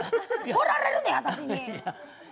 掘られるで、私に。